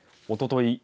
おととい